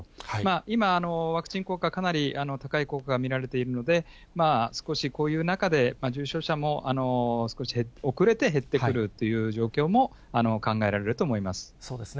今、ワクチン効果、かなり高い効果が見られているので、少し、こういう中で、重症者も少し遅れて減ってくるっていう状況も考えられると思いまそうですね。